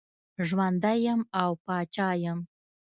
ژوندی یم او پاچا یم.